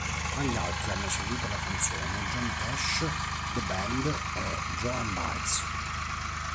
Tra gli altri hanno eseguito la canzone Johnny Cash, The Band e Joan Baez.